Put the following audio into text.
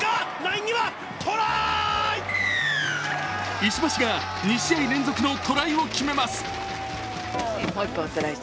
石橋が２試合連続のトライを決めます。